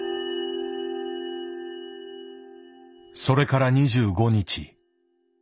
それから２５日。